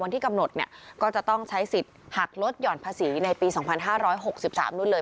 ที่กำหนดเนี่ยก็จะต้องใช้สิทธิ์หักลดหย่อนภาษีในปี๒๕๖๓นู่นเลย